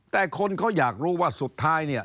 แต่คนเขาอยากรู้ว่าสุดท้ายเนี่ย